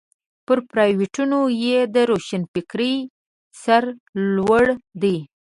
پر روایتونو یې د روښنفکرۍ سر لوړ دی.